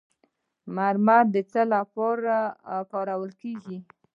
مرمر د څه لپاره کارول کیږي؟